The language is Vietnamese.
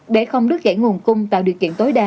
để không đứt gãy nguồn cung tạo điều kiện tối đa